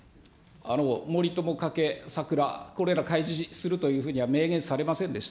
森友・加計・桜、これら開示するというふうに明言されませんでした。